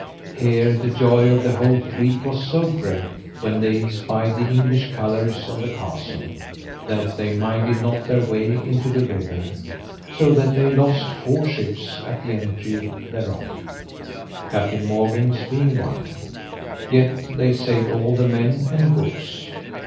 Here the joy of the whole fleet was so great, when they spied the English colours on the castle, that they minded not their way into the river, so that they lost four ships at the entry thereof, Captain Morgan's being one; yet they saved all the men and goods.